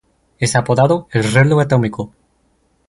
Es apodado "El Reloj Atómico".